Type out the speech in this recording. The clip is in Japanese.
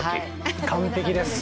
完璧です。